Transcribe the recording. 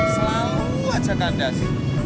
selalu aja kandas